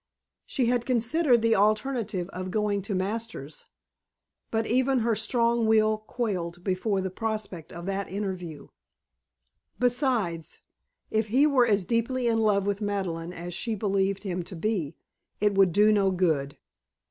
She had considered the alternative of going to Masters, but even her strong spirit quailed before the prospect of that interview. Besides, if he were as deeply in love with Madeleine as she believed him to be, it would do no good.